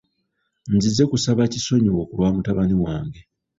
Nzize kusaba kisonyiwo ku lwa mutabani wange.